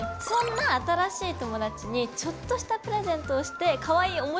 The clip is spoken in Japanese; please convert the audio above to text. そんな新しい友達にちょっとしたプレゼントをしてかわいい！